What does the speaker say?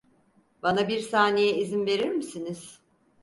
Bana bir saniye izin verir misiniz?